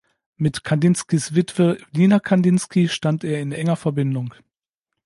Mit Kandinskys Witwe Nina Kandinsky stand er in enger Verbindung.